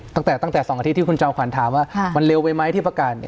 ตั้งแต่๒อาทิตย์ที่คุณจอมขวัญถามว่ามันเร็วไปไหมที่ประกาศ